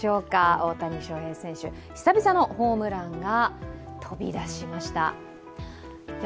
大谷翔平選手、久々のホームランが飛び出しました。